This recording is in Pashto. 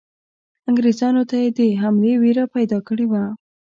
انګریزانو ته یې د حملې وېره پیدا کړې وه.